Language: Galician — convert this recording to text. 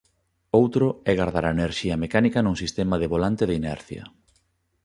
Outro é gardar a enerxía mecánica nun sistema de volante de inercia.